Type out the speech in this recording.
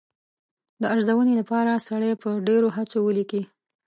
د ارزونې لپاره سړی په ډېرو هڅو ولیکي.